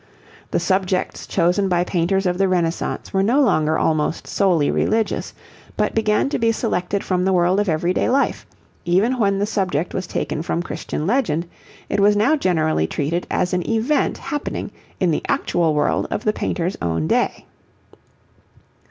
The subjects chosen by painters of the Renaissance were no longer almost solely religious, but began to be selected from the world of everyday life; even when the subject was taken from Christian legend, it was now generally treated as an event happening in the actual world of the painter's own day.